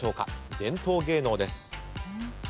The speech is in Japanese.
伝統芸能です。